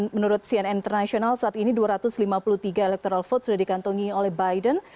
menurut cnn international saat ini dua ratus lima puluh tiga electoral vote sudah dikantongi oleh biden